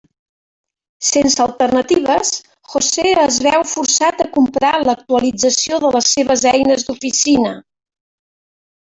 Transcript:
Sense alternatives, José es veu forçat a comprar l'actualització de les seves eines d'oficina.